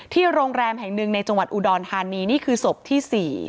โรงแรมแห่งหนึ่งในจังหวัดอุดรธานีนี่คือศพที่๔